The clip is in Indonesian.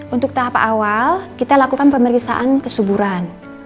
untuk tahap awal kita lakukan pemeriksaan kesuburan